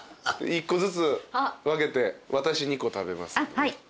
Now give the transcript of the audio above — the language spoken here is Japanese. １個ずつ分けて私２個食べます。